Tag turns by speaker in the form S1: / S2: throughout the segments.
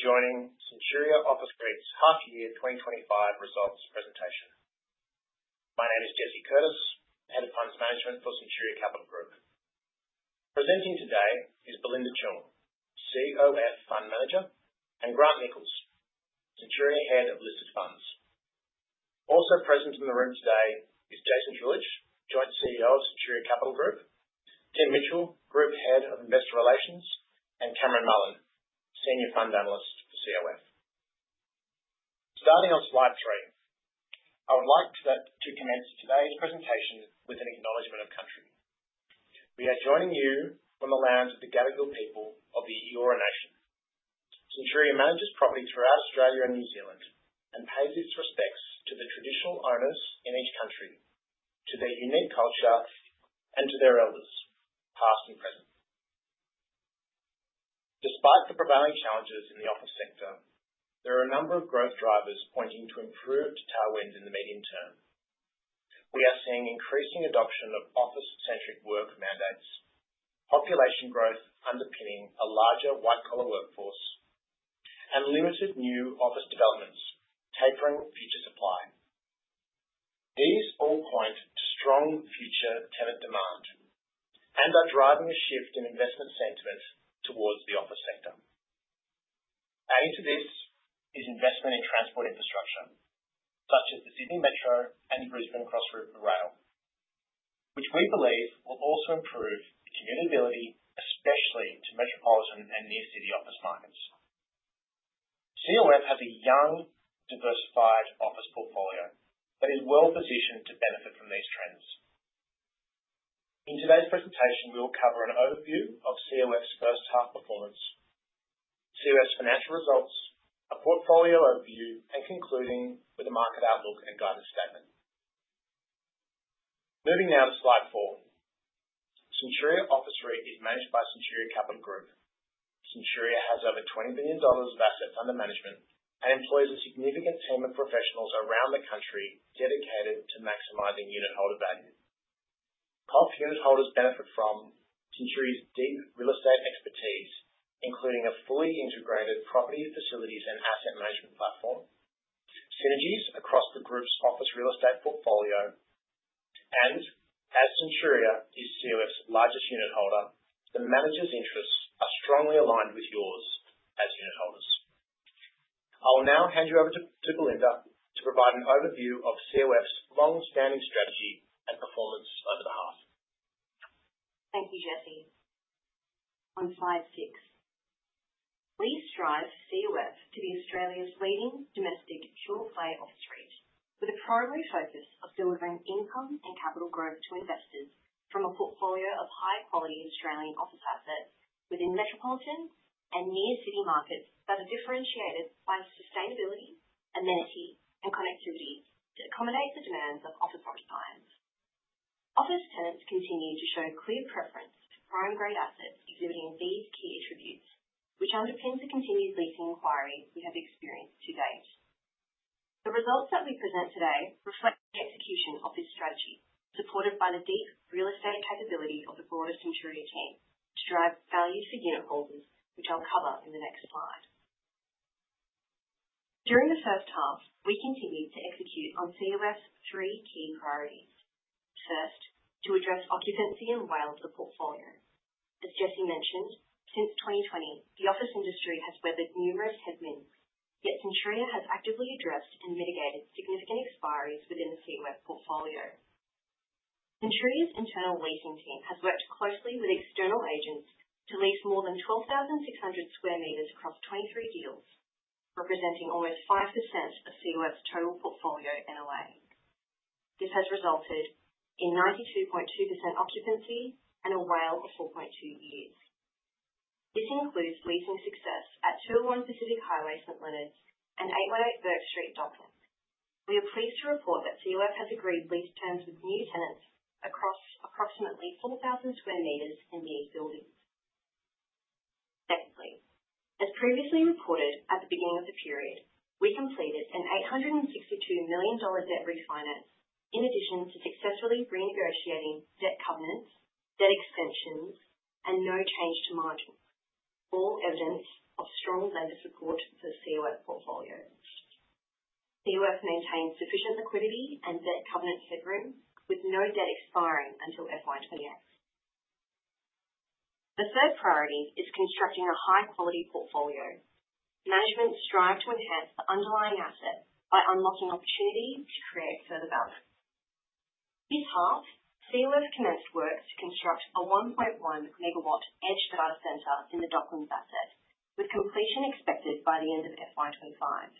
S1: Good morning. Thank you for joining Centuria Office REIT Jesse Curtis half-year 2025 results presentation. My name is Jesse Curtis, Head of Funds Management for Centuria Capital Group. Presenting today is Belinda Cheung, COF Fund Manager, and Grant Nichols, Centuria Head of Listed Funds. Also present in the room today is Jason Huljich, Joint CEO of Centuria Capital Group, Tim Mitchell, Group Head of Investor Relations, and Cameron Mullen, Senior Fund Analyst for COF. Starting on slide three, I would like to commence today's presentation with an acknowledgement of country. We are joining you on the lands of the Gadigal people of the Eora Nation. Centuria manages property throughout Australia and New Zealand and pays its respects to the traditional owners in each country, to their unique culture, and to their elders, past and present. Despite the prevailing challenges in the office sector, there are a number of growth drivers pointing to improved tailwinds in the medium term. We are seeing increasing adoption of office-centric work mandates, population growth underpinning a larger white-collar workforce, and limited new office developments tapering future supply. These all point to strong future tenant demand and are driving a shift in investment sentiment towards the office sector. Adding to this is investment in transport infrastructure, such as the Sydney Metro and Brisbane Cross River Rail, which we believe will also improve the commutability, especially to metropolitan and near-city office markets. COF has a young, diversified office portfolio that is well-positioned to benefit from these trends. In today's presentation, we will cover an overview of COF's first half performance, COF's financial results, a portfolio overview, and concluding with a market outlook and guidance statement. Moving now to slide four, Centuria Office REIT is managed by Centuria Capital Group. Centuria has over 20 billion dollars of assets under management and employs a significant team of professionals around the country dedicated to maximizing unit holder value. Top unit holders benefit from Centuria's deep real estate expertise, including a fully integrated property, facilities, and asset management platform, synergies across the group's office real estate portfolio, and as Centuria is COF's largest unit holder, the managers' interests are strongly aligned with yours as unit holders. I will now hand you over to Belinda to provide an overview of COF's long-standing strategy and performance over the half.
S2: Thank you, Jesse. On slide six, we strive for COF to be Australia's leading domestic pure-play office REIT, with a primary focus of delivering income and capital growth to investors from a portfolio of high-quality Australian office assets within metropolitan and near-city markets that are differentiated by sustainability, amenity, and connectivity to accommodate the demands of office buyers. Office tenants continue to show clear preference for prime-grade assets exhibiting these key attributes, which underpins the continued leasing inquiry we have experienced to date. The results that we present today reflect the execution of this strategy, supported by the deep real estate capability of the broader Centuria team to drive value for unit holders, which I'll cover in the next slide. During the first half, we continued to execute on COF's three key priorities. First, to address occupancy and WALE of the portfolio. As Jesse mentioned, since 2020, the office industry has weathered numerous headwinds, yet Centuria has actively addressed and mitigated significant expiries within the COF portfolio. Centuria's internal leasing team has worked closely with external agents to lease more than 12,600 square meters across 23 deals, representing almost 5% of COF's total portfolio NLA. This has resulted in 92.2% occupancy and a WALE of 4.2 years. This includes leasing success at 201 Pacific Highway, St Leonards, and 818 Bourke Street, Docklands. We are pleased to report that COF has agreed lease terms with new tenants across approximately 4,000 square meters in these buildings. Secondly, as previously reported at the beginning of the period, we completed an 862 million dollars debt refinance in addition to successfully renegotiating debt covenants, debt extensions, and no change to margins, all evidence of strong lender support for the COF portfolio. COF maintains sufficient liquidity and debt covenant headroom, with no debt expiring until FY 2028. The third priority is constructing a high-quality portfolio. Management strives to enhance the underlying asset by unlocking opportunity to create further value. This half, COF commenced work to construct a 1.1-megawatt edge data center in the Docklands asset, with completion expected by the end of FY 2025.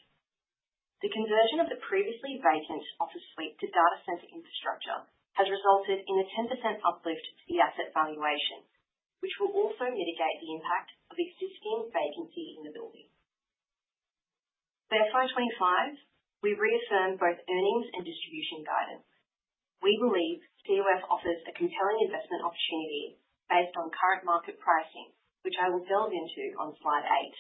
S2: The conversion of the previously vacant office suite to data center infrastructure has resulted in a 10% uplift to the asset valuation, which will also mitigate the impact of existing vacancy in the building. For FY 2025, we reaffirm both earnings and distribution guidance. We believe COF offers a compelling investment opportunity based on current market pricing, which I will delve into on slide eight.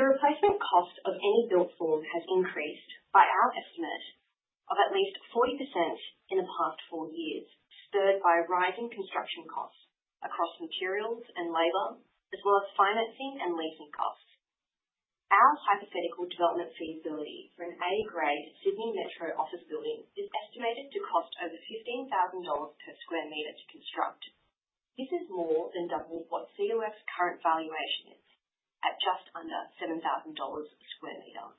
S2: The replacement cost of any built form has increased by our estimate of at least 40% in the past four years, spurred by rising construction costs across materials and labor, as well as financing and leasing costs. Our hypothetical development feasibility for an A-grade Sydney Metro office building is estimated to cost over 15,000 dollars per square meter to construct. This is more than double what COF's current valuation is, at just under 7,000 dollars per square meter.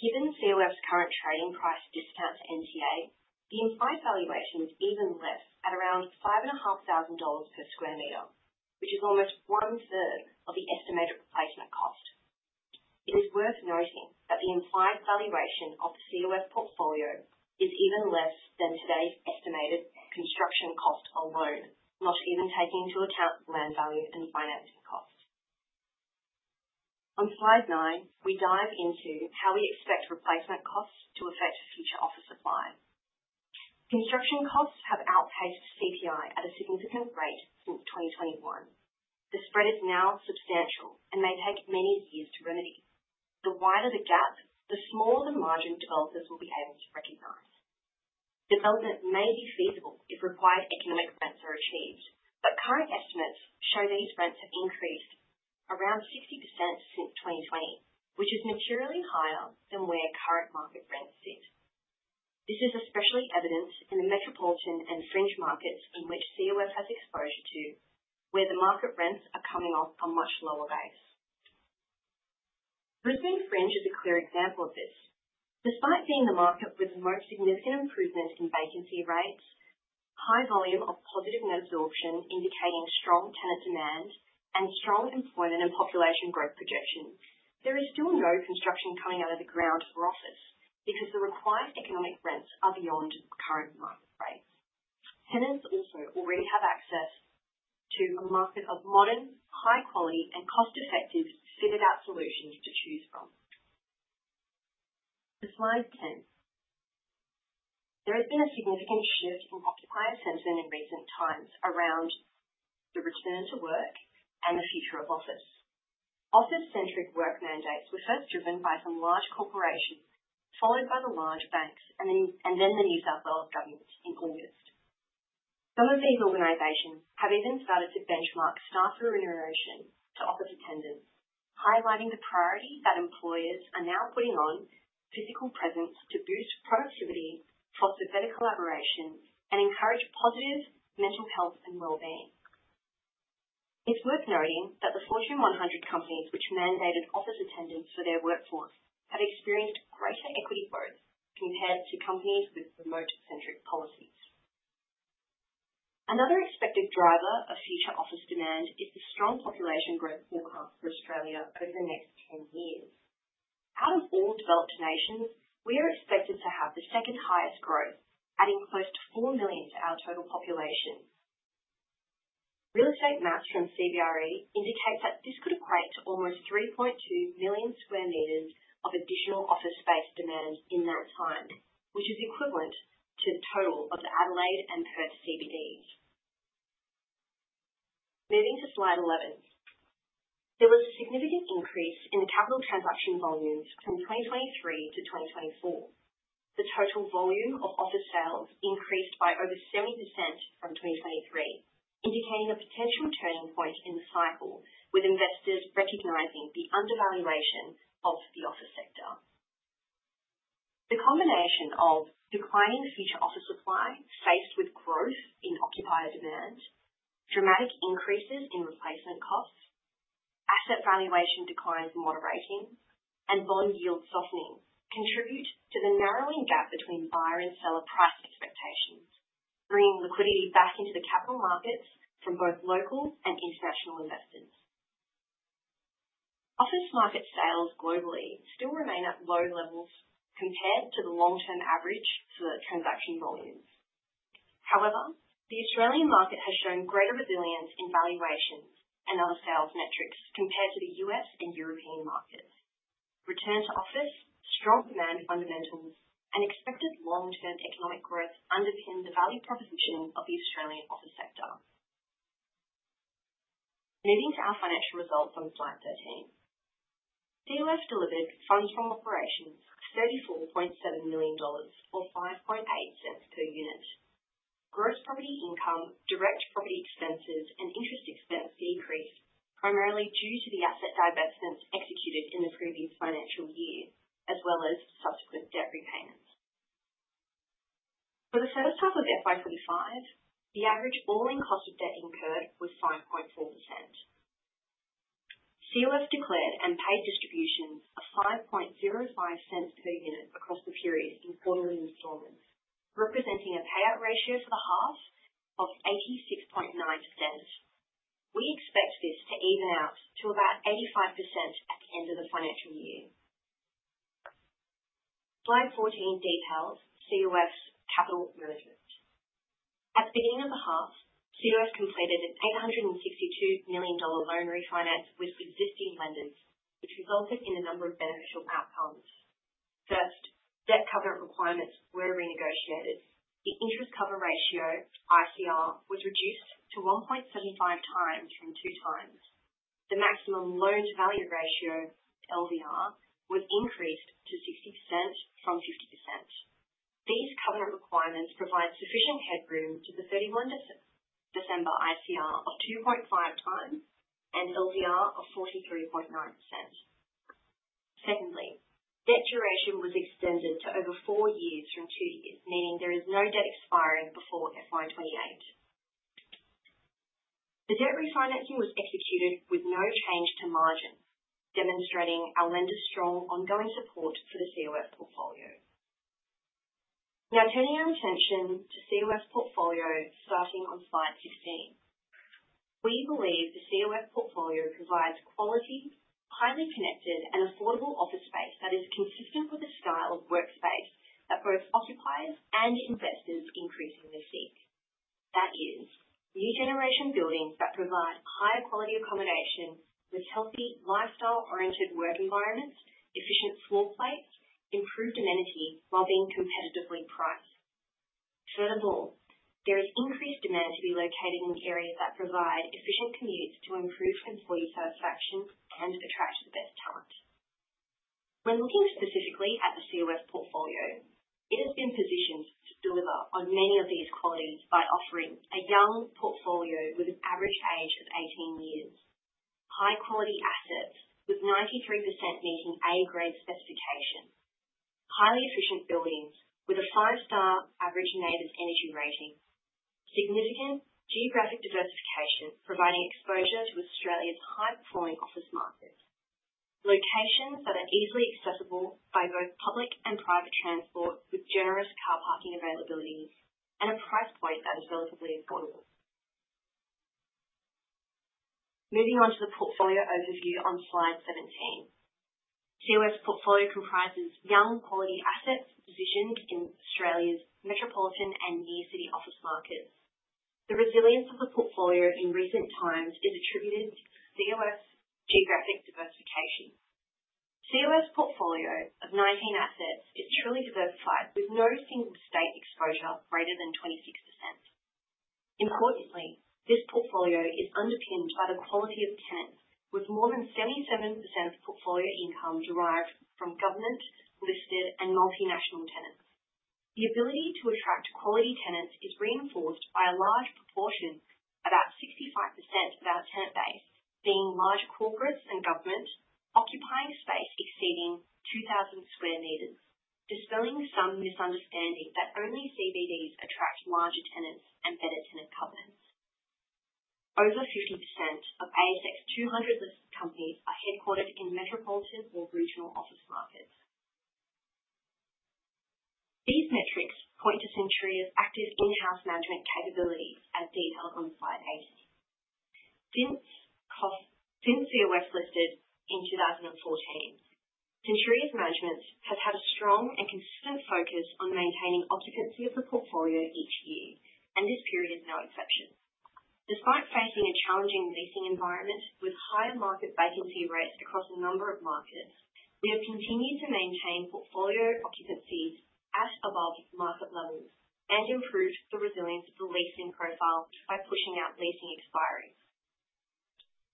S2: Given COF's current trading price discount to NTA, the implied valuation is even less at around 5,500 dollars per square meter, which is almost 1/3 of the estimated replacement cost. It is worth noting that the implied valuation of the COF portfolio is even less than today's estimated construction cost alone, not even taking into account land value and financing costs. On slide nine, we dive into how we expect replacement costs to affect future office supply. Construction costs have outpaced CPI at a significant rate since 2021. The spread is now substantial and may take many years to remedy. The wider the gap, the smaller the margin developers will be able to recognize. Development may be feasible if required economic rents are achieved, but current estimates show these rents have increased around 60% since 2020, which is materially higher than where current market rents sit. This is especially evident in the metropolitan and fringe markets in which COF has exposure to, where the market rents are coming off a much lower base. Brisbane Fringe is a clear example of this. Despite being the market with the most significant improvement in vacancy rates, high volume of positive net absorption indicating strong tenant demand and strong employment and population growth projections, there is still no construction coming out of the ground for office because the required economic rents are beyond current market rates. Tenants also already have access to a market of modern, high-quality, and cost-effective fitted-out solutions to choose from. For slide 10, there has been a significant shift in occupier sentiment in recent times around the return to work and the future of office. Office-centric work mandates were first driven by some large corporations, followed by the large banks, and then the New South Wales Government in August. Some of these organizations have even started to benchmark staff remuneration to office attendance, highlighting the priority that employers are now putting on physical presence to boost productivity, foster better collaboration, and encourage positive mental health and well-being. It's worth noting that the Fortune 100 companies which mandated office attendance for their workforce have experienced greater equity growth compared to companies with remote-centric policies. Another expected driver of future office demand is the strong population growth for Australia over the next 10 years. Out of all developed nations, we are expected to have the second highest growth, adding close to four million to our total population. Real estate maps from CBRE indicate that this could equate to almost 3.2 million square meters of additional office space demand in that time, which is equivalent to the total of the Adelaide and Perth CBDs. Moving to slide 11, there was a significant increase in the capital transaction volumes from 2023 to 2024. The total volume of office sales increased by over 70% from 2023, indicating a potential turning point in the cycle, with investors recognizing the undervaluation of the office sector. The combination of declining future office supply faced with growth in occupier demand, dramatic increases in replacement costs, asset valuation declines from moderating, and bond yield softening contribute to the narrowing gap between buyer and seller price expectations, bringing liquidity back into the capital markets from both local and international investors. Office market sales globally still remain at low levels compared to the long-term average for transaction volumes. However, the Australian market has shown greater resilience in valuations and other sales metrics compared to the U.S. and European markets. Return to office, strong demand fundamentals, and expected long-term economic growth underpin the value proposition of the Australian office sector. Moving to our financial results on slide 13, COF delivered funds from operations of 34.7 million dollars or 5.8 per unit. Gross property income, direct property expenses, and interest expense decreased primarily due to the asset divestments executed in the previous financial year, as well as subsequent debt repayments. For the first half of FY 2025, the average all-in cost of debt incurred was 5.4%. COF declared and paid distributions of 5.05 per unit across the period in quarterly installments, representing a payout ratio for the half of 86.9%. We expect this to even out to about 85% at the end of the financial year. Slide 14 details COF's capital management. At the beginning of the half, COF completed an 862 million dollar loan refinance with existing lenders, which resulted in a number of beneficial outcomes. First, debt covenant requirements were renegotiated. The interest cover ratio, ICR, was reduced to 1.75 times from two times. The maximum loan-to-value ratio, LVR, was increased to 60% from 50%. These covenant requirements provide sufficient headroom to the 31 December ICR of 2.5 times and LVR of 43.9%. Secondly, debt duration was extended to over four years from two years, meaning there is no debt expiring before FY 2028. The debt refinancing was executed with no change to margin, demonstrating our lender's strong ongoing support for the COF portfolio. Now turning our attention to COF portfolio starting on slide 16. We believe the COF portfolio provides quality, highly connected, and affordable office space that is consistent with the style of workspace that both occupiers and investors increasingly seek. That is, new generation buildings that provide high-quality accommodation with healthy, lifestyle-oriented work environments, efficient floor plates, improved amenity, while being competitively priced. Furthermore, there is increased demand to be located in areas that provide efficient commutes to improve employee satisfaction and attract the best talent. When looking specifically at the COF portfolio, it has been positioned to deliver on many of these qualities by offering a young portfolio with an average age of 18 years, high-quality assets with 93% meeting A-grade specification, highly efficient buildings with a five-star average NABERS energy rating, significant geographic diversification providing exposure to Australia's high-performing office market, locations that are easily accessible by both public and private transport with generous car parking availability, and a price point that is relatively affordable. Moving on to the portfolio overview on slide 17. COF's portfolio comprises young quality assets positioned in Australia's metropolitan and near-city office markets. The resilience of the portfolio in recent times is attributed to COF's geographic diversification. COF's portfolio of 19 assets is truly diversified with no single state exposure greater than 26%. Importantly, this portfolio is underpinned by the quality of tenants, with more than 77% of portfolio income derived from government, listed, and multinational tenants. The ability to attract quality tenants is reinforced by a large proportion, about 65% of our tenant base, being large corporates and government occupying space exceeding 2,000 square meters, dispelling some misunderstanding that only CBDs attract larger tenants and better tenant covenants. Over 50% of ASX 200 listed companies are headquartered in metropolitan or regional office markets. These metrics point to Centuria's active in-house management capabilities, as detailed on slide 18.Since COF listed in 2014, Centuria's management has had a strong and consistent focus on maintaining occupancy of the portfolio each year, and this period is no exception. Despite facing a challenging leasing environment with higher market vacancy rates across a number of markets, we have continued to maintain portfolio occupancies at above market levels and improved the resilience of the leasing profile by pushing out leasing expiry.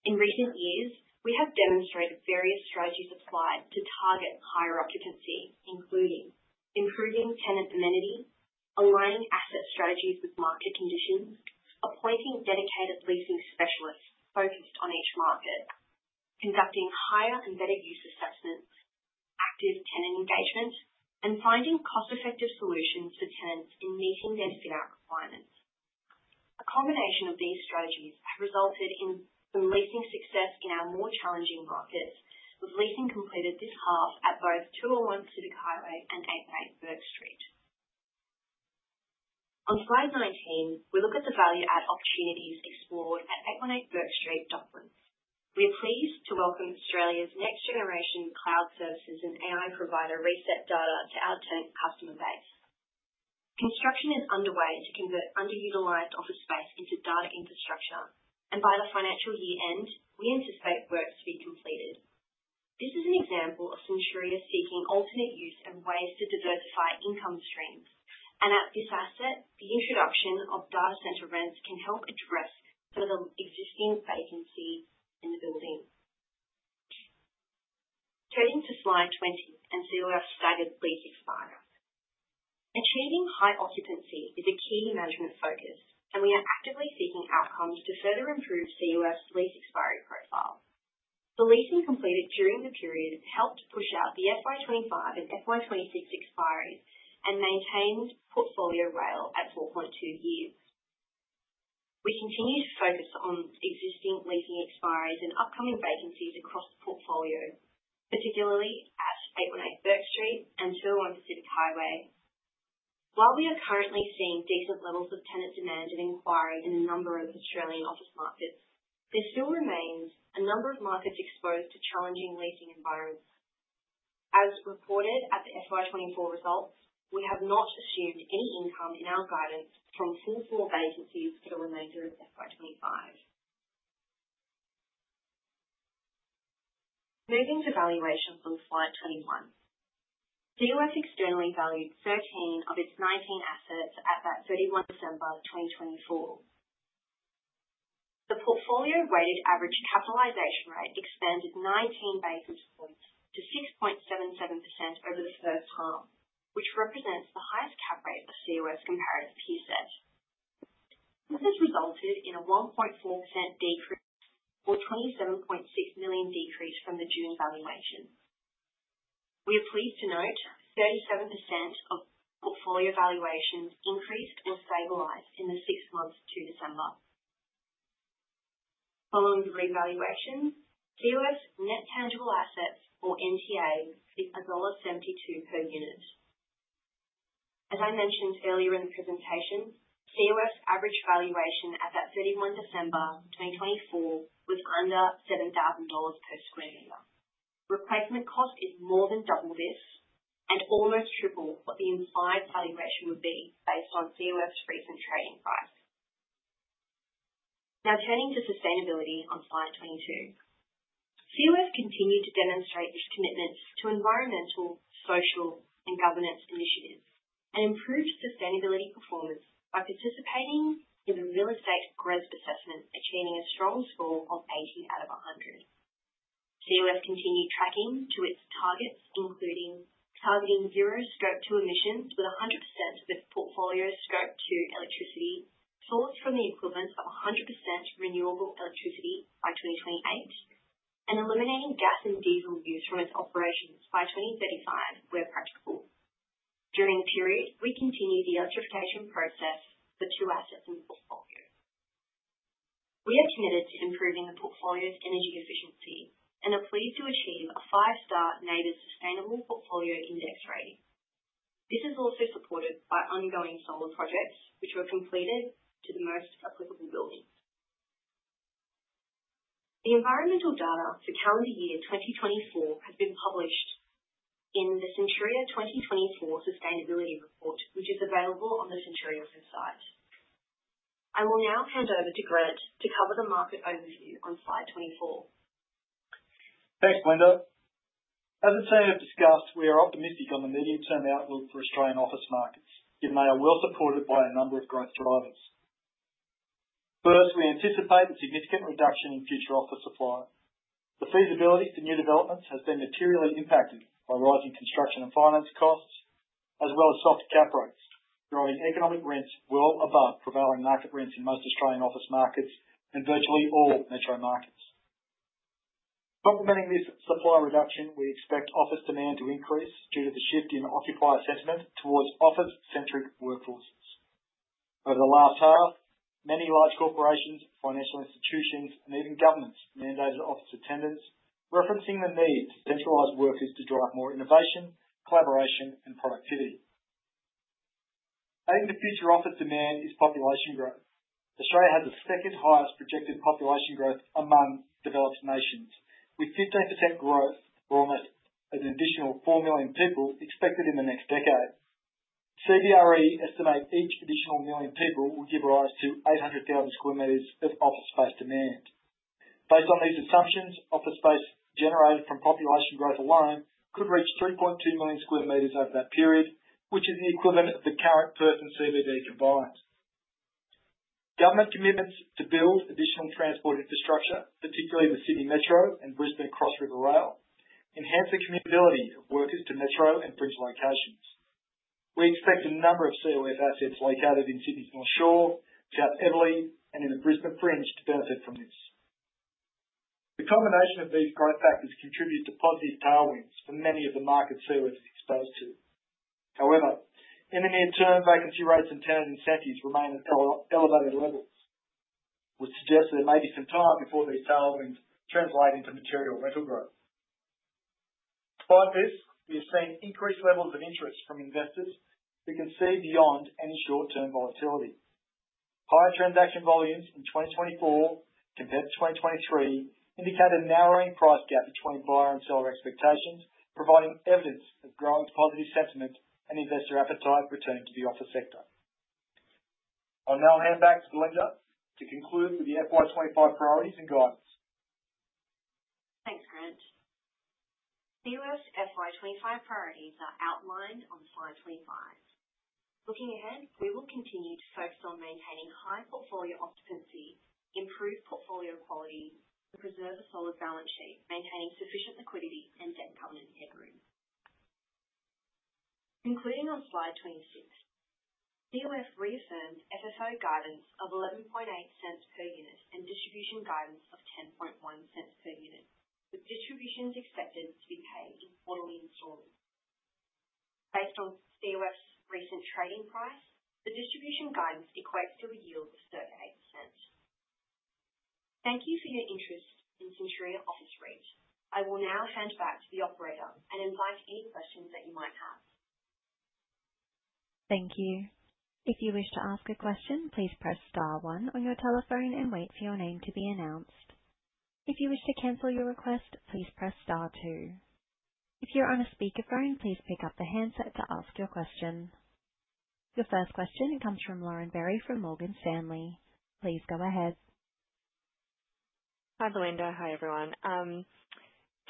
S2: In recent years, we have demonstrated various strategies applied to target higher occupancy, including improving tenant amenity, aligning asset strategies with market conditions, appointing dedicated leasing specialists focused on each market, conducting higher and better use assessments, active tenant engagement, and finding cost-effective solutions for tenants in meeting their fit-out requirements. A combination of these strategies has resulted in some leasing success in our more challenging markets, with leasing completed this half at both 201 Pacific Highway and 818 Bourke Street. On slide 19, we look at the value-add opportunities explored at 818 Bourke Street, Docklands. We are pleased to welcome Australia's next-generation cloud services and AI provider ResetData to our tenant customer base. Construction is underway to convert underutilized office space into data infrastructure, and by the financial year end, we anticipate work to be completed. This is an example of Centuria seeking alternate use and ways to diversify income streams, and at this asset, the introduction of data center rents can help address some of the existing vacancy in the building. Turning to slide 20 and COF's staggered lease expiry. Achieving high occupancy is a key management focus, and we are actively seeking outcomes to further improve COF's lease expiry profile. The leasing completed during the period helped push out the FY 2025 and FY 2026 expiries and maintained portfolio WALE at 4.2 years. We continue to focus on existing leasing expiries and upcoming vacancies across the portfolio, particularly at 818 Bourke Street and 201 Pacific Highway. While we are currently seeing decent levels of tenant demand and inquiry in a number of Australian office markets, there still remains a number of markets exposed to challenging leasing environments. As reported at the FY 2024 results, we have not assumed any income in our guidance from full-floor vacancies for the remainder of FY 2025. Moving to valuation on slide 21, COF externally valued 13 of its 19 assets as at 31 December 2024. The portfolio weighted average capitalization rate expanded 19 basis points to 6.77% over the first half, which represents the highest cap rate of COF's comparative peer set. This has resulted in a 1.4% decrease or 27.6 million decrease from the June valuation. We are pleased to note 37% of portfolio valuations increased or stabilized in the six months to December. Following the revaluation, COF's net tangible assets, or NTAs, is dollar 1.72 per unit. As I mentioned earlier in the presentation, COF's average valuation at that 31 December 2024 was under 7,000 dollars per square meter. Replacement cost is more than double this and almost triple what the implied valuation would be based on COF's recent trading price. Now turning to sustainability on slide 22, COF continued to demonstrate its commitments to environmental, social, and governance initiatives and improved sustainability performance by participating in the real estate GRESB assessment, achieving a strong score of 80 out of 100. COF continued tracking to its targets, including targeting zero Scope 2 emissions with 100% of its portfolio Scope 2 electricity sourced from the equivalent of 100% renewable electricity by 2028 and eliminating gas and diesel use from its operations by 2035 where practicable. During the period, we continue the electrification process for two assets in the portfolio. We are committed to improving the portfolio's energy efficiency and are pleased to achieve a five-star NABERS sustainable portfolio index rating. This is also supported by ongoing solar projects, which were completed to the most applicable buildings. The environmental data for calendar year 2024 has been published in the Centuria 2024 sustainability report, which is available on the Centuria website. I will now hand over to Grant to cover the market overview on slide 24.
S3: Thanks, Belinda. As it's been discussed, we are optimistic on the medium-term outlook for Australian office markets, given they are well supported by a number of growth drivers. First, we anticipate a significant reduction in future office supply. The feasibility for new developments has been materially impacted by rising construction and finance costs, as well as soft cap rates, drawing economic rents well above prevailing market rents in most Australian office markets and virtually all metro markets. Complementing this supply reduction, we expect office demand to increase due to the shift in occupier sentiment towards office-centric workforces. Over the last half, many large corporations, financial institutions, and even governments mandated office attendance, referencing the need for centralized workers to drive more innovation, collaboration, and productivity. Adding to future office demand is population growth. Australia has the second highest projected population growth among developed nations, with 15% growth for almost an additional four million people expected in the next decade. CBRE estimate each additional million people will give rise to 800,000 square meters of office space demand. Based on these assumptions, office space generated from population growth alone could reach 3.2 million square meters over that period, which is the equivalent of the current Perth-CBD combined. Government commitments to build additional transport infrastructure, particularly the Sydney Metro and Brisbane Cross River Rail, enhance the commutability of workers to metro and fringe locations. We expect a number of COF assets located in Sydney's North Shore, South Eveleigh, and in the Brisbane Fringe to benefit from this. The combination of these growth factors contributes to positive tailwinds for many of the markets COF is exposed to. However, in the near term, vacancy rates and tenant incentives remain at elevated levels, which suggests there may be some time before these tailwinds translate into material rental growth. Despite this, we have seen increased levels of interest from investors who can see beyond any short-term volatility. Higher transaction volumes in 2024 compared to 2023 indicate a narrowing price gap between buyer and seller expectations, providing evidence of growing positive sentiment and investor appetite returning to the office sector. I'll now hand back to Belinda to conclude with the FY 2025 priorities and guidance.
S2: Thanks, Grant. COF's FY 2025 priorities are outlined on slide 25. Looking ahead, we will continue to focus on maintaining high portfolio occupancy, improve portfolio quality, and preserve a solid balance sheet, maintaining sufficient liquidity and debt covenant headroom. Concluding on slide 26, COF reaffirmed FFO guidance of 11.8 per unit and distribution guidance of 10.1 per unit, with distributions expected to be paid in quarterly installments. Based on COF's recent trading price, the distribution guidance equates to a yield of 38%. Thank you for your interest in Centuria Office REIT. I will now hand back to the operator and invite any questions that you might have.
S4: Thank you. If you wish to ask a question, please press star one on your telephone and wait for your name to be announced. If you wish to cancel your request, please press star two. If you're on a speakerphone, please pick up the handset to ask your question. Your first question comes from Lauren Berry from Morgan Stanley. Please go ahead.
S5: Hi, Belinda. Hi, everyone.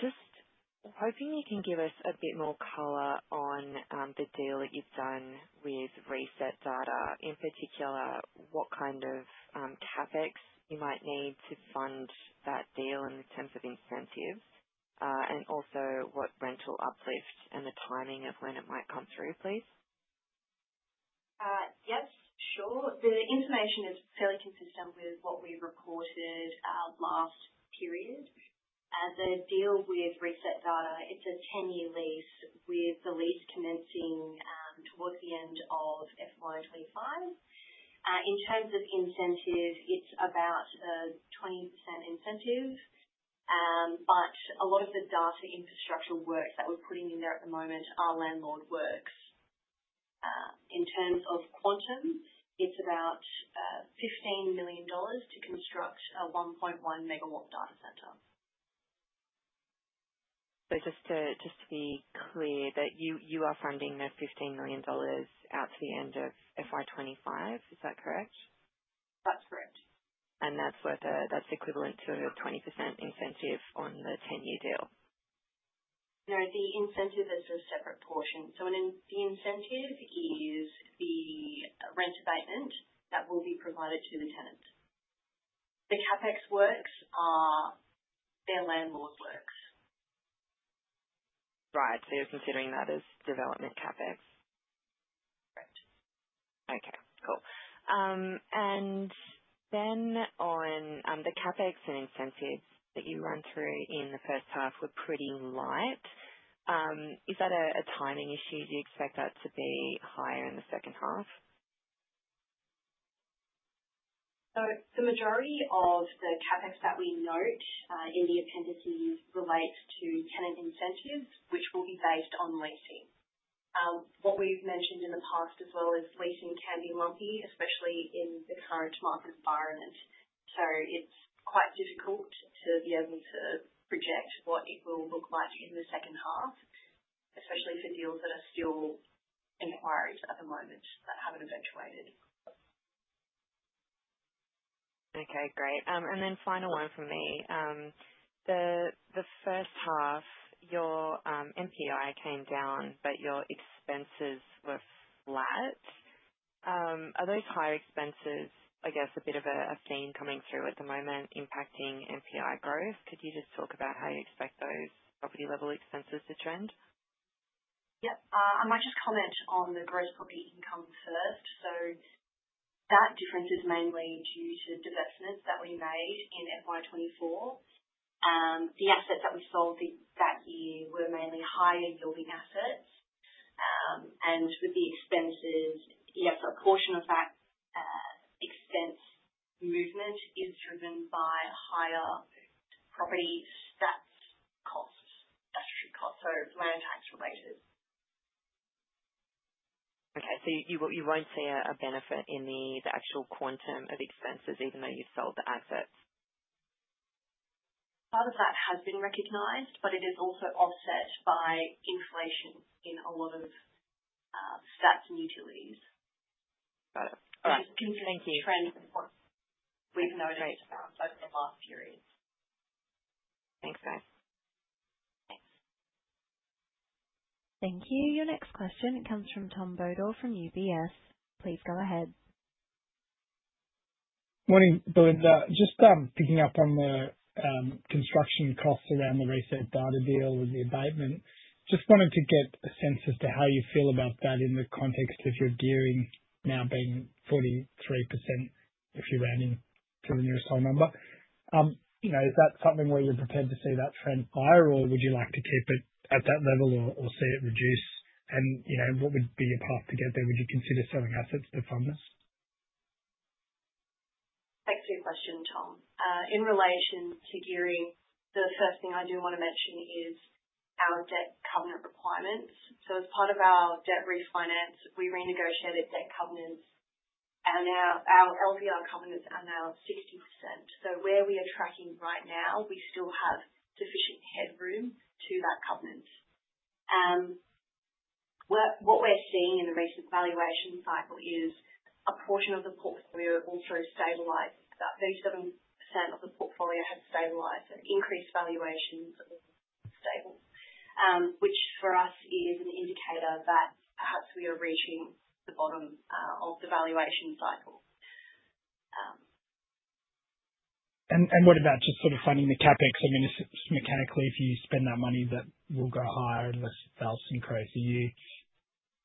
S5: Just hoping you can give us a bit more color on the deal that you've done with ResetData. In particular, what kind of CapEx you might need to fund that deal in terms of incentives, and also what rental uplift and the timing of when it might come through? please.
S2: Yes, sure. The information is fairly consistent with what we reported last period. The deal with ResetData, it's a 10-year lease with the lease commencing towards the end of FY 2025. In terms of incentive, it's about a 20% incentive, but a lot of the data infrastructure work that we're putting in there at the moment are landlord works. In terms of quantum, it's about 15 million dollars to construct a 1.1 megawatt data center.
S5: So just to be clear, you are funding the 15 million dollars out to the end of FY 2025. Is that correct? [inaudible] and that's equivalent to a 20% incentive on the 10-year deal?
S2: No, the incentive is a separate portion. So the incentive is the rent abatement that will be provided to the tenant. The CapEx works are their landlord works.
S5: Right. So you're considering that as development CapEx.
S2: Correct.
S5: Okay. Cool. And then on the CapEx and incentives that you run through in the first half were pretty light. Is that a timing issue? Do you expect that to be higher in the second half?
S2: So the majority of the CapEx that we note in the appendices relates to tenant incentives, which will be based on leasing. What we've mentioned in the past as well is leasing can be lumpy, especially in the current market environment. So, it's quite difficult to be able to project what it will look like in the second half, especially for deals that are still inquiries at the moment that haven't eventuated.
S5: Okay. Great. And then final one for me. The first half, your NPI came down, but your expenses were flat. Are those higher expenses, I guess, a bit of a theme coming through at the moment impacting NPI growth? Could you just talk about how you expect those property-level expenses to trend?
S2: Yep. I might just comment on the gross property income first. So that difference is mainly due to divestments that we made in FY 2024. The assets that we sold that year were mainly higher-yielding assets. And with the expenses, yes, a portion of that expense movement is driven by higher property rates costs, so land tax-related.
S5: Okay. So you won't see a benefit in the actual quantum of expenses, even though you've sold the assets?
S2: Part of that has been recognized, but it is also offset by inflation in a lot of costs and utilities.
S5: Got it. Thank you.
S2: And it's a trend we've noticed over the last period.
S4: Thank you. Your next question comes from Tom Bodor from UBS. Please go ahead.
S6: Morning, Belinda. Just picking up on the construction costs around the ResetData deal with the abatement. Just wanted to get a sense as to how you feel about that in the context of your gearing now being 43% if you rounded to the nearest whole number. Is that something where you're prepared to see that trend higher, or would you like to keep it at that level or see it reduce? And what would be your path to get there? Would you consider selling assets to fund this?
S2: Thank you for your question, Tom. In relation to gearing, the first thing I do want to mention is our debt covenant requirements. So as part of our debt refinance, we renegotiated debt covenants and our LVR covenants are now 60%. So where we are tracking right now, we still have sufficient headroom to that covenant. What we're seeing in the recent valuation cycle is a portion of the portfolio also stabilized. About 37% of the portfolio has stabilized. So increased valuations are stable, which for us is an indicator that perhaps we are reaching the bottom of the valuation cycle.
S6: And what about just sort of funding the CapEx? I mean, mechanically, if you spend that money, that will go higher unless they'll increase. Are you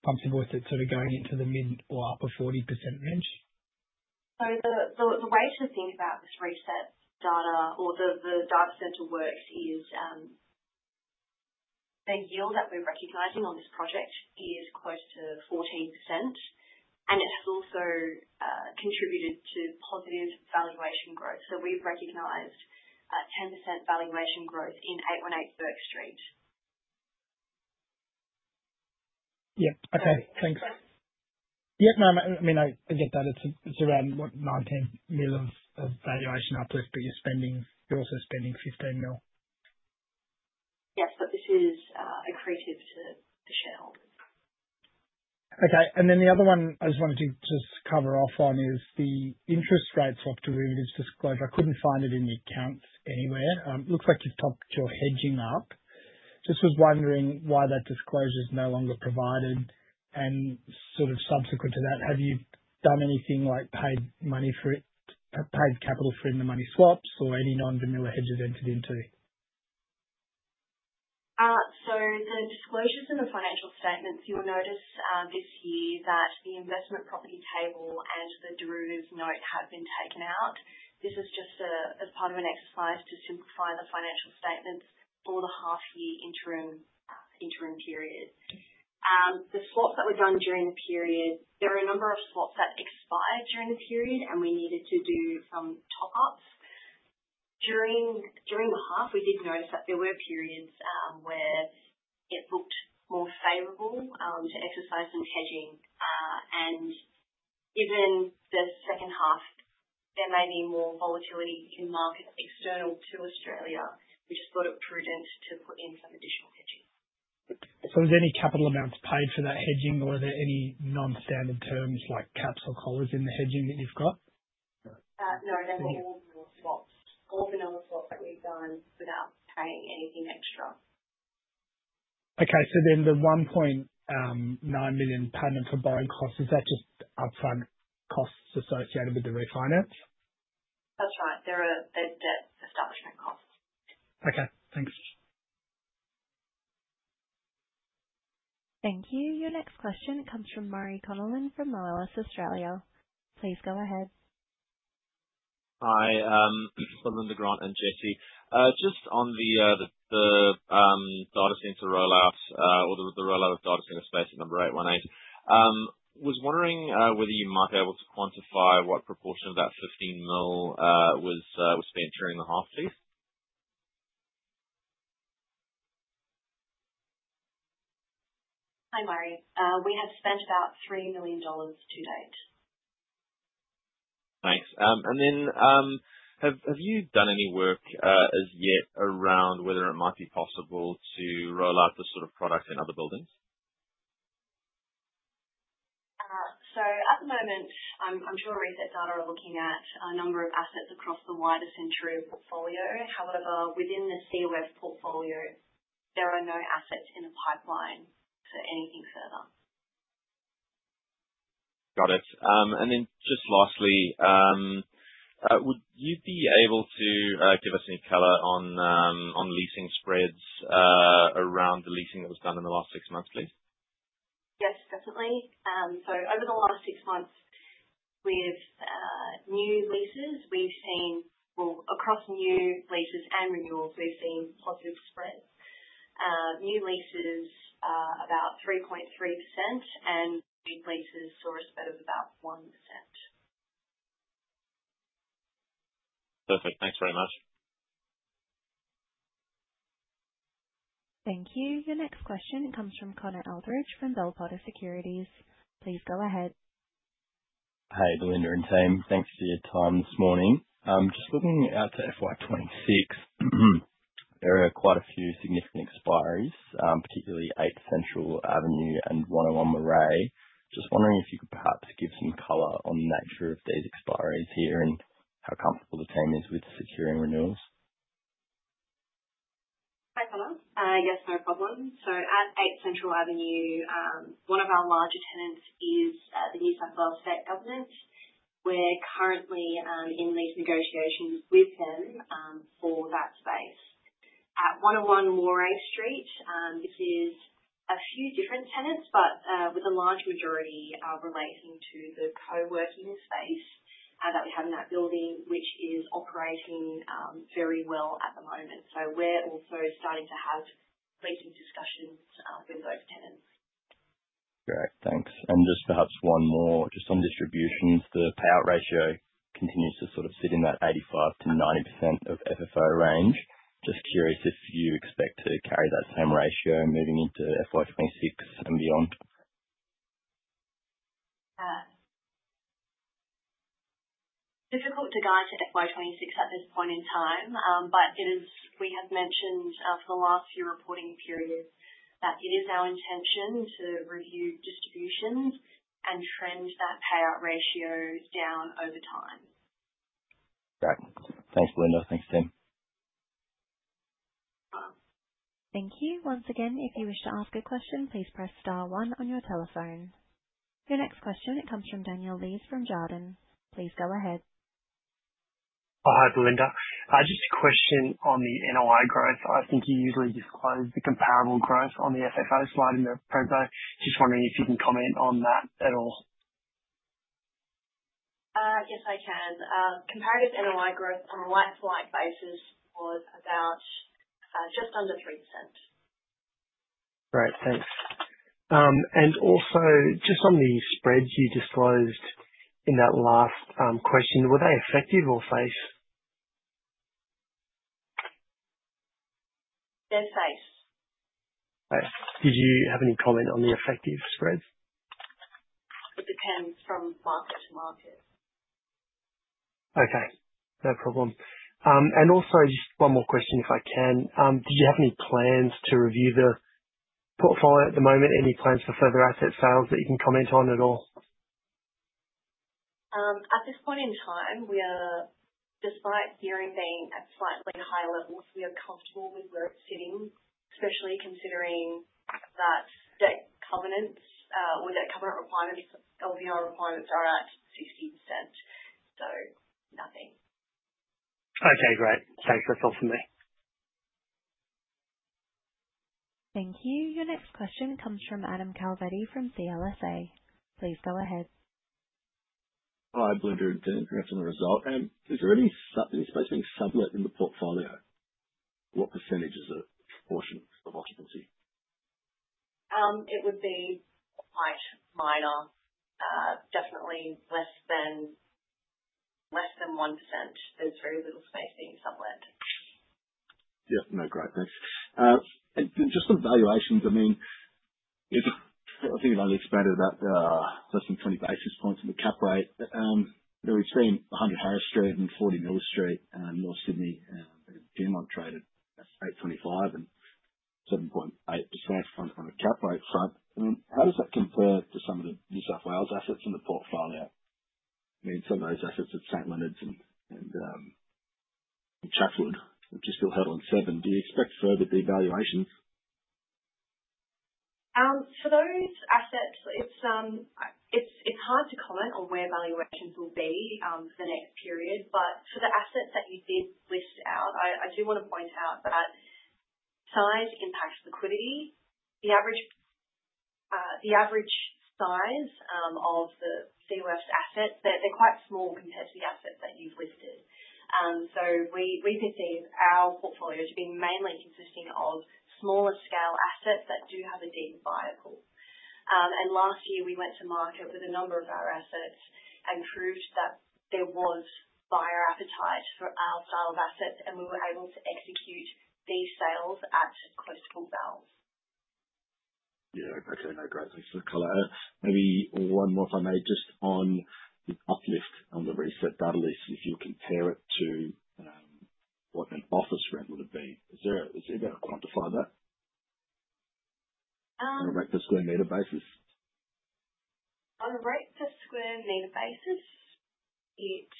S6: comfortable with it sort of going into the mid or upper 40% range?
S2: So the way to think about this ResetData or the data center works is the yield that we're recognizing on this project is close to 14%, and it has also contributed to positive valuation growth. So we've recognized 10% valuation growth in 818 Bourke Street.
S6: Yep. Okay. Thanks. Yep. No, I mean, I get that. It's around, what, 19 million of valuation uplift, but you're also spending 15 million.
S2: [inaudible]
S6: Okay. And then the other one I just wanted to just cover off on is the interest rate swap delivery disclosure. I couldn't find it in the accounts anywhere. Looks like you've topped your hedging up. Just was wondering why that disclosure is no longer provided. And sort of subsequent to that, have you done anything like paid money for it, paid capital for it in the money swaps, or any non-denominated hedges entered into?
S2: So the disclosures in the financial statements, you'll notice this year that the investment property table and the derivatives note have been taken out. This is just as part of an exercise to simplify the financial statements for the half-year interim period. The swaps that were done during the period, there are a number of swaps that expired during the period, and we needed to do some top-ups. During the half, we did notice that there were periods where it looked more favorable to exercise some hedging. And even the second half, there may be more volatility in markets external to Australia. We just thought it prudent to put in some additional hedging.
S6: So were there any capital amounts paid for that hedging, or were there any non-standard terms like caps or collars in the hedging that you've got?
S2: No,
S3: they're all vanilla swaps.
S2: All vanilla swaps that we've done without paying anything extra.
S6: Okay. So then the 1.9 million payment for borrowing costs, is that just upfront costs associated with the refinance?
S2: That's right. They're debt establishment costs.
S6: Okay. Thanks.
S4: Thank you. Your next question comes from Murray Connollen from Moelis Australia. Please go ahead.
S7: Hi. Belinda, Grant and Jesse. Just on the data center rollout or the rollout of data center space at number 818, was wondering whether you might be able to quantify what proportion of that 15 million was spent during the half, please?
S2: Hi, Murray. We have spent about 3 million dollars to date.
S7: Thanks. And then have you done any work as yet around whether it might be possible to roll out this sort of product in other buildings?
S2: So at the moment, I'm sure ResetData are looking at a number of assets across the wider Centuria portfolio. However, within the COF portfolio, there are no assets in the pipeline for anything further.
S7: Got it. And then just lastly, would you be able to give us any color on leasing spreads around the leasing that was done in the last six months, please?
S2: Yes, definitely. So over the last six months with new leases, we've seen across new leases and renewals, we've seen positive spreads. New leases, about 3.3%, and renewals saw a spread of about 1%.
S7: Perfect. Thanks very much.
S4: Thank you. Your next question comes from Connor Eldridge from Bell Potter Securities. Please go ahead.
S8: Hey, Belinda and team. Thanks for your time this morning. Just looking out to FY 2026, there are quite a few significant expiries, particularly 8 Central Avenue and 101 Moray Street. Just wondering if you could perhaps give some color on the nature of these expiries here and how comfortable the team is with securing renewals?
S2: Hi, Connor. Yes, no problem. So at 8 Central Avenue, one of our larger tenants is the New South Wales State Government. We're currently in these negotiations with them for that space. At 101 Moray Street, this is a few different tenants, but with the large majority relating to the co-working space that we have in that building, which is operating very well at the moment. So we're also starting to have leasing discussions with those tenants.
S8: Great. Thanks. Just perhaps one more, just on distributions, the payout ratio continues to sort of sit in that 85%-90% of FFO range. Just curious if you expect to carry that same ratio moving into FY 2026 and beyond?
S2: Difficult to guide to FY 2026 at this point in time, but we have mentioned for the last few reporting periods that it is our intention to review distributions and trend that payout ratio down over time.
S8: Okay. Thanks, Belinda. Thanks, team.
S4: Thank you. Once again, if you wish to ask a question, please press star one on your telephone. Your next question, it comes from Daniel Lees from Jarden. Please go ahead.
S9: Hi, Belinda. Just a question on the NOI growth. I think you usually disclose the comparable growth on the FFO slide in the pro forma. Just wondering if you can comment on that at all?
S2: Yes, I can. Comparative NOI growth on a like-for-like basis was about just under 3%.
S9: Great thanks. And also, just on the spreads you disclosed in that last question, were they effective or face?
S2: They're face.
S9: Okay. Did you have any comment on the effective spreads?
S2: It depends from fast market.
S9: Okay. No problem. And also, just one more question, if I can. Did you have any plans to review the portfolio at the moment? Any plans for further asset sales that you can comment on at all?
S2: At this point in time, despite gearing being at slightly higher levels, we are comfortable with where it's sitting, especially considering that debt covenants or debt covenant requirements, LVR requirements are at 60%. So nothing.
S9: Okay. Great. Thanks. That's all from me.
S4: Thank you. Your next question comes from Adam Calvetti from CLSA. Please go ahead.
S10: Hi, Belinda. I'm going to reference the result. Is there any space being sublet in the portfolio? What percentage is it, proportion of occupancy?
S2: It would be quite minor. Definitely less than 1%. There's very little space being sublet.
S10: Yep. No, great. Thanks. And just on valuations, I mean, I think it only expanded about less than 20 basis points in the cap rate. We've seen 100 Harris Street and 40 Miller Street and North Sydney being demonstrated at 8.25% and 7.8% on the cap rate front. How does that compare to some of the New South Wales assets in the portfolio? I mean, some of those assets at St Leonards and Chatswood, which are still held on seven. Do you expect further devaluations?
S2: For those assets, it's hard to comment on where valuations will be for the next period. But for the assets that you did list out, I do want to point out that size impacts liquidity. The average size of the COF's assets, they're quite small compared to the assets that you've listed. So we perceive our portfolio to be mainly consisting of smaller-scale assets that do have a deep buyer pool. And last year, we went to market with a number of our assets and proved that there was buyer appetite for our style of assets, and we were able to execute these sales at close to full values.
S10: Yeah. Okay. No, great. Thanks for the color. Maybe one more, if I may, just on the uplift on the ResetData lease, if you compare it to what an office rent would have been. Is it able to quantify that on a per square meter basis?
S2: On a per square meter basis, it's,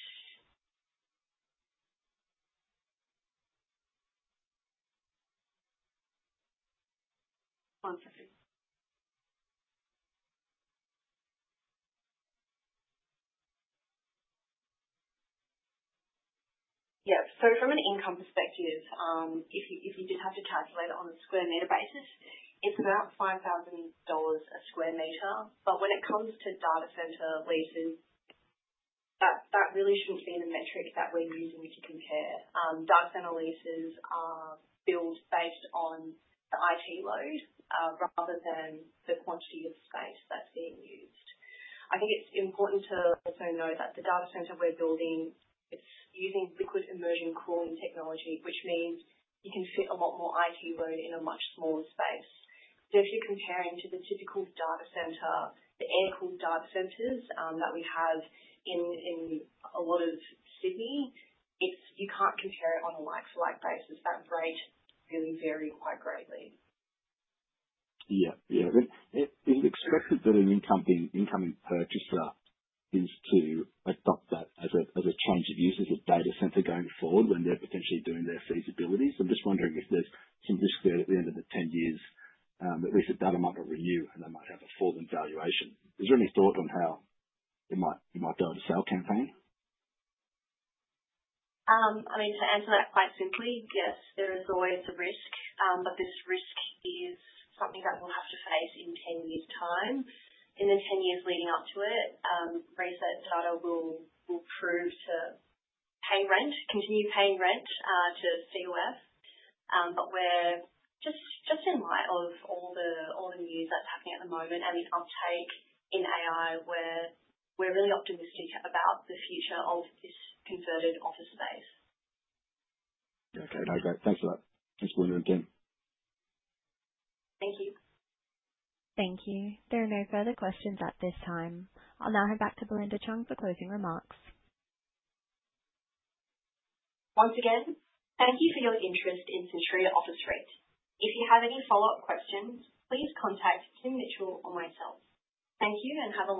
S2: one second. Yep. So from an income perspective, if you did have to calculate it on a square meter basis, it's about 5,000 dollars a square meter. But when it comes to data center leases, that really shouldn't be the metric that we're using to compare. Data center leases are built based on the IT load rather than the quantity of space that's being used. I think it's important to also know that the data center we're building, it's using liquid immersion cooling technology, which means you can fit a lot more IT load in a much smaller space. So if you're comparing to the typical data center, the air-cooled data centers that we have in a lot of Sydney, you can't compare it on a like-for-like basis. That rate really varies quite greatly.
S10: Yeah. Yeah. Is it expected that an incoming purchaser is to adopt that as a change of use as a data center going forward when they're potentially doing their feasibilities? I'm just wondering if there's some risk there at the end of the 10 years, at least that Data might not renew, and they might have a fall in valuation. Is there any thought on how it might be able to sales campaign?
S2: I mean, to answer that quite simply, yes, there is always a risk, but this risk is something that we'll have to face in 10 years' time. In the 10 years leading up to it, ResetData will prove to pay rent, continue paying rent to COF. But just in light of all the news that's happening at the moment and the uptake in AI, we're really optimistic about the future of this converted office space.
S10: Okay. No, great. Thanks for that. Thanks, Belinda and team.
S2: Thank you.
S4: Thank you. There are no further questions at this time. I'll now hand back to Belinda Cheung for closing remarks.
S2: Once again, thank you for your interest in Centuria Office REIT. If you have any follow-up questions, please contact Tim Mitchell or myself. Thank you, and have a nice.